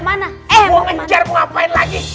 mau menjjarku ngapain lagi